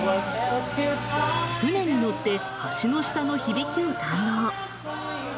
船に乗って橋の下の響きを堪能。